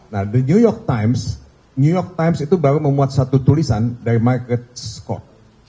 nah the new york times new york times itu baru memuat satu tulisan dari market scock